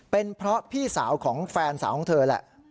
เป็นเพราะพี่สาวของแฟนสาวของเธอแหละ